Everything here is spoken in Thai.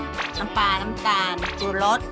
น้ำปลาน้ำตาลตัวรส